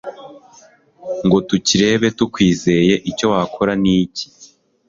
ngo tukirebe tukwizere? Icyo wakora ni iki?